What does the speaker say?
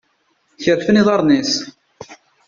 Kerfen iḍaṛen-is.